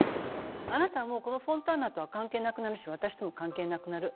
あなたはもうこのフォンターナとは関係なくなるし私とも関係なくなる。